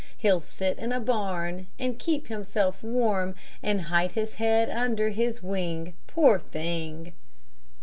He'll sit in a barn, And keep himself warm, And hide his head under his wing, Poor thing!